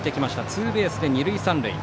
ツーベースで二塁三塁。